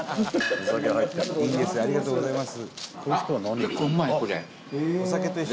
ありがとうございます。